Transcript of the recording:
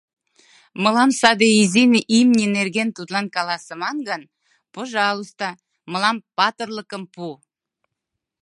Мылам саде изи имне нерген тудлан каласыман гын, пожалуйста, мылам патырлыкым пу.